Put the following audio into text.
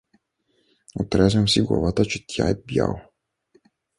— Отрязвам си главата, че тя е „бяла“…